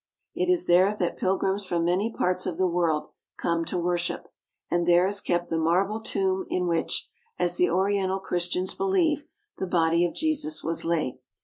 It is there that pilgrims from many parts of the world come to worship, and there is kept the marble tomb in which, as the Oriental Christians believe, the body of Jesus was laid.